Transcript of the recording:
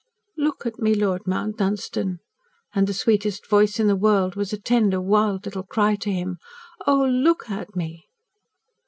"Look at me, Lord Mount Dunstan," and the sweetest voice in the world was a tender, wild little cry to him. "Oh LOOK at me!"